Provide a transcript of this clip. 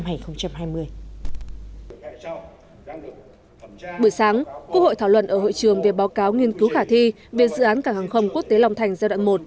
bữa sáng quốc hội thảo luận ở hội trường về báo cáo nghiên cứu khả thi về dự án cảng hàng không quốc tế long thành giai đoạn một